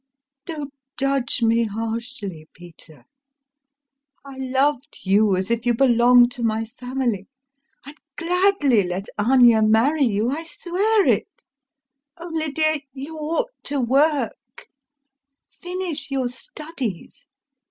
Don't judge me harshly, Peter... I loved you, as if you belonged to my family. I'd gladly let Anya marry you, I swear it, only dear, you ought to work, finish your studies.